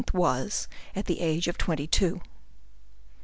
was at the Age of Twenty Two.